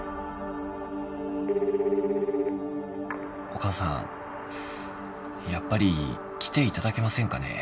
☎お母さんやっぱり来ていただけませんかね。